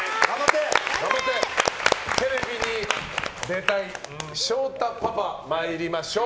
テレビに出たい翔太パパ参りましょう。